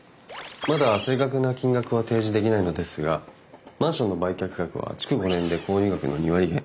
まだ正確な金額は提示できないのですがマンションの売却額は築５年で購入額の２割減。